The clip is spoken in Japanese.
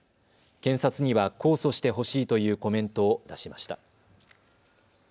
検察には控訴してほしいというコメントを出しました。